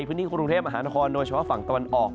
พื้นที่กรุงเทพมหานครโดยเฉพาะฝั่งตะวันออก